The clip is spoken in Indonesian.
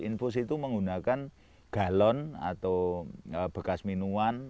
infus itu menggunakan galon atau bekas minuman